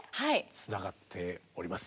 つながっております。